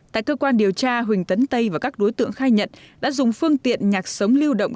tại cơ quan điều tra huỳnh tấn tây và các đối tượng khai nhận đã dùng phương tiện nhạc sống lưu động